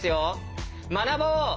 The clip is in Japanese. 学ぼう！